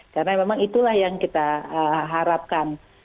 karena memang itulah yang kita harapkan